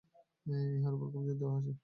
ইহার উপর খুব জোর দেওয়া হইয়াছে।